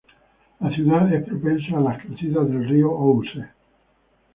La ciudad es propensa a las crecidas del río Ouse.